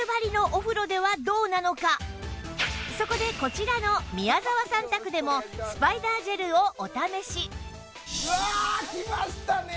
そこでこちらの宮澤さん宅でもスパイダージェルをお試しうわきましたね。